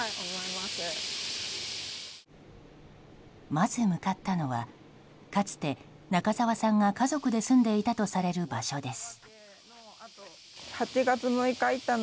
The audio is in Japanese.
まず向かったのはかつて中沢さんが、家族で住んでいたとされる場所です。